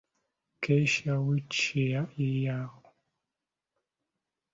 Keisha Witshire ye yawangula omuzannyo gwa goofu ogw'abaana abato ogwazannyibwa mu South Africa.